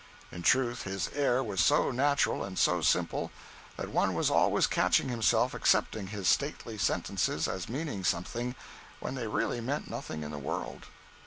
In truth his air was so natural and so simple that one was always catching himself accepting his stately sentences as meaning something, when they really meant nothing in the world.